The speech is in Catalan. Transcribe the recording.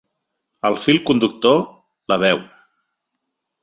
El fil conductor: la veu.